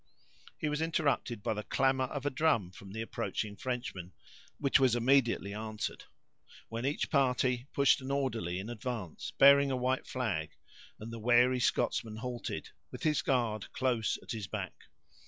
He was interrupted by the clamor of a drum from the approaching Frenchmen, which was immediately answered, when each party pushed an orderly in advance, bearing a white flag, and the wary Scotsman halted with his guard close at his back.